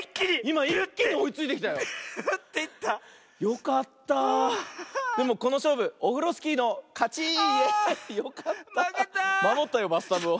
まもったよバスタブを。